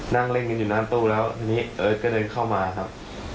นั่งเล่นกันอยู่หน้าตู้แล้วทีนี้เอิร์ทก็เดินเข้ามาครับ